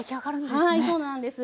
はいそうなんです。